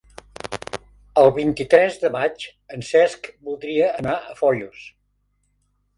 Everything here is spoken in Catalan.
El vint-i-tres de maig en Cesc voldria anar a Foios.